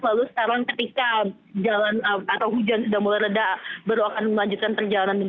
lalu sekarang ketika hujan sudah mulai reda baru akan melanjutkan perjalanan ke sana